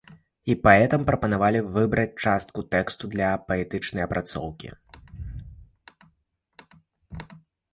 І паэтам прапанавалі выбраць частку тэксту для паэтычнай апрацоўкі.